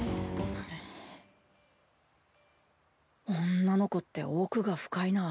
女の子って奥が深いなぁ